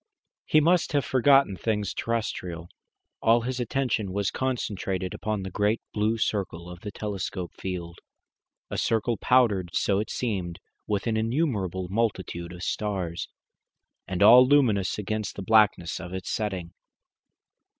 He must have forgotten things terrestrial. All his attention was concentrated upon the great blue circle of the telescope field a circle powdered, so it seemed, with an innumerable multitude of stars, and all luminous against the blackness of its setting.